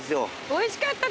おいしかった。